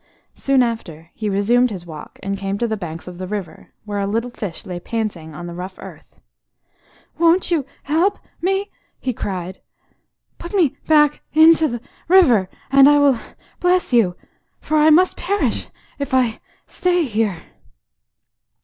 Soon after he resumed his walk, and came to the banks of the river, where a little fish lay panting on the rough earth. "Won't you help me?" he cried. "Put me back into the river, and I will bless you, for I must perish if I stay here."